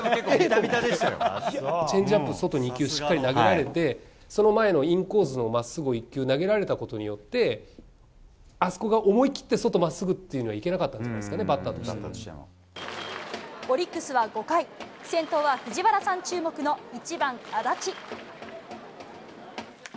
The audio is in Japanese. チェンジアップ、外２球、しっかり投げられて、それの前のインコースのまっすぐ１球を投げられたことによって、あそこが思い切って、外、まっすぐっていうのはいけなかったんでオリックスは５回、先頭は藤原さん注目の１番安達。